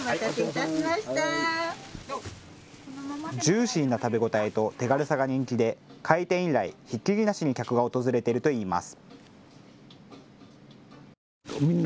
ジューシーな食べ応えと手軽さが人気で開店以来、ひっきりなしに客が訪れているといいます。